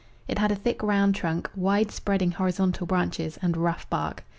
It had a thick round trunk, wide spreading horizontal branches, and rough bark.